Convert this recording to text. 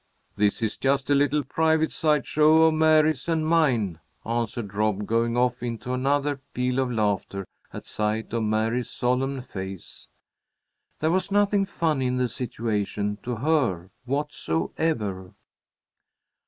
"This is just a little private side show of Mary's and mine," answered Rob, going off into another peal of laughter at sight of Mary's solemn face. There was nothing funny in the situation to her whatsoever.